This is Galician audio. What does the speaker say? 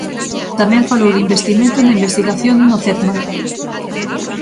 Tamén falou de investimento na investigación no Cetmar.